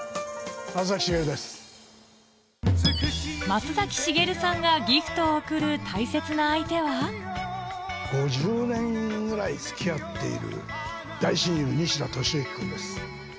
松崎しげるさんがギフトを贈る大切な相手は５０年ぐらい付き合っている大親友西田敏行君です。